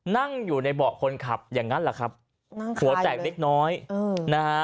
นั่งอยู่ในเบาะคนขับอย่างนั้นแหละครับหัวแตกเล็กน้อยนะฮะ